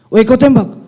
weh kau tembak